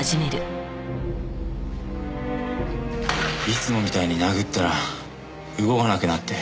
いつもみたいに殴ったら動かなくなって。